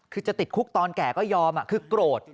คือจะติดคุกตอนแก่ก็ยอมคือโกรธ